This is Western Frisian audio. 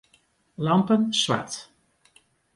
Lampen swart.